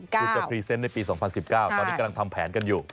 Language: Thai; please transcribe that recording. คือจะพรีเซนต์ในปี๒๐๑๙ตอนนี้กำลังทำแผนกันอยู่